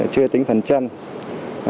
chưa tính phần tiền